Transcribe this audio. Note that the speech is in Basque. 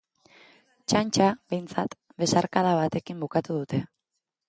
Txantxa, behintzat, besarkada batekin bukatu dute.